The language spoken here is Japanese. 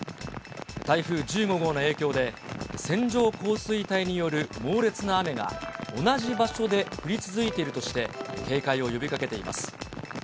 台風１５号の影響で、線状降水帯による猛烈な雨が同じ場所で降り続いているとして、警戒を呼びかけています。